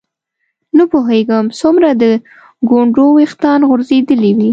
نه پوهېږم څومره د ګونډو ویښتان غورځېدلي وي.